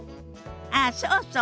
ああそうそう。